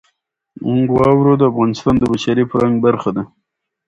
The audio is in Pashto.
واوره د افغانستان د بشري فرهنګ برخه ده.